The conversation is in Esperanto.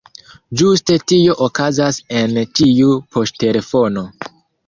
Ĝuste tio okazas en ĉiu poŝtelefono.